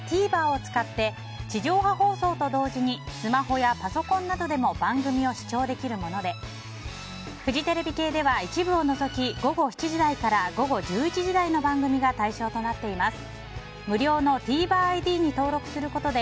ＴＶｅｒを使って地上波放送と同時にスマホやパソコンなどでも番組を視聴できるものでフジテレビ系では一部を除き午後７時台から午後１１時台の番組が対象となっています。